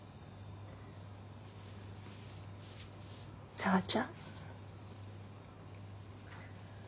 紗和ちゃん。